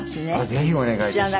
ぜひお願い致します。